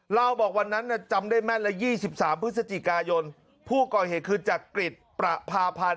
เล่าบอกวันนั้นเนี่ยจำได้แม่นละยี่สิบสามพฤศจิกายนผู้ก่อยเหตุคือจักริจประพาพันธ์